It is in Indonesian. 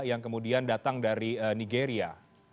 yang kemudian datang dari nigeria